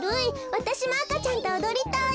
わたしもあかちゃんとおどりたい。